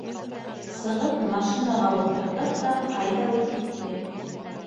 Сығып машинаға ултырҙыҡ та ҡайҙалыр киттек.